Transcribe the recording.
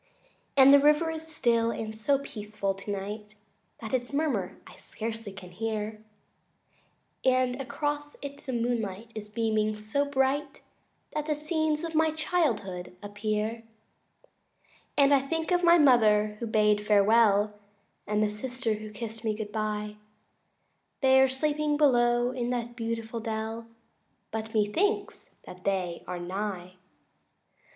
II And the river is still, and so peaceful tonight That its murmur I scarcely can hear, And across it the moonlight is beaming so bright That the scenes of my childhood appear. III And I think of my mother who bade me farewell And the sister who kist me good bye They are sleeping below in that beautiful dell But methinks that again they are nigh.